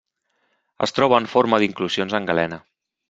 Es troba en forma d'inclusions en galena.